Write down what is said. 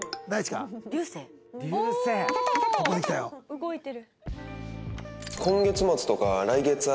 動いてる。